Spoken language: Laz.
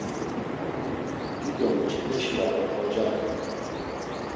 Dido mç̌ipeşi ar oxorca re.